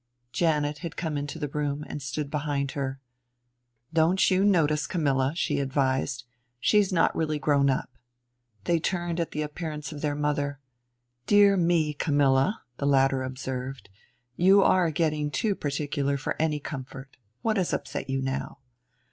Janet had come into the room, and stood behind her. "Don't you notice Camilla," she advised; "she's not really grown up." They turned at the appearance of their mother. "Dear me, Camilla," the latter observed, "you are getting too particular for any comfort. What has upset you now?"